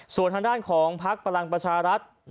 ส่วนทางด้านของพักพลังประชารัฐ